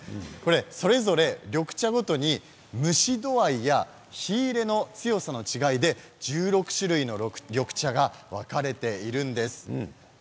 それぞれ緑茶の蒸し度合いや火入れの強さの違いで１６種類の緑茶に分かれているんです。